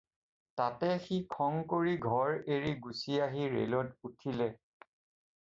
তাতে সি খঙ কৰি ঘৰ এৰি গুছি আহি ৰেলত উঠিলে।